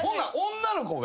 女の子が。